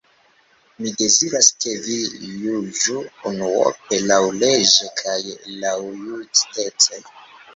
Mi deziras, ke vi juĝu unuope laŭleĝe kaj laŭjustece.